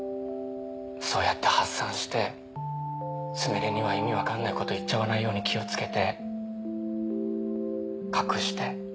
そうやって発散して純恋には意味分かんないこと言っちゃわないように気を付けて隠して。